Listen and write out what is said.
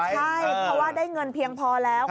ใช่เพราะว่าได้เงินเพียงพอแล้ว